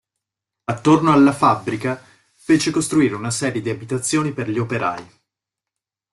Attorno alla fabbrica fece costruire una serie di abitazioni per gli operai.